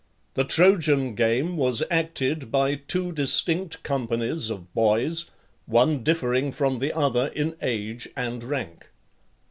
The Trojan game was acted by two distinct companies of boys, one differing from the other in age and rank.